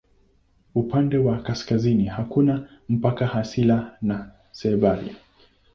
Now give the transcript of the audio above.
Upande wa kaskazini hakuna mpaka asilia na Siberia.